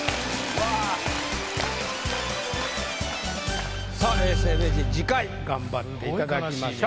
さあ永世名人次回頑張っていただきましょう。